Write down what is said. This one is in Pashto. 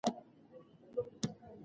د ټولنیزې وصلۍ خلک خوشحاله او روغ دي.